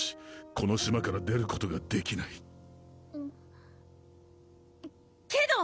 この島から出ることができないけど！